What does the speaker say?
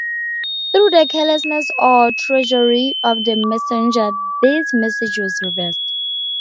Through the carelessness or treachery of the messenger, this message was reversed.